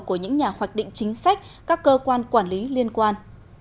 của những nhà hoạch định chính sách các cơ quan quản lý liên quan